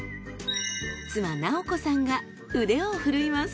妻直子さんが腕を振るいます。